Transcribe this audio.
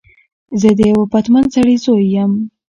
زه د یوه پتمن سړی زوی یم.